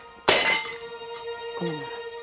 ごめんなさい。